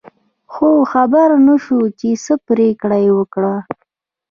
خو خبر نه شو چې څه پرېکړه یې وکړه.